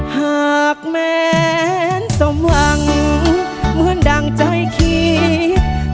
หากแม้นสมหวังเหมือนดั่งใจคิด